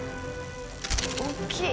大きい！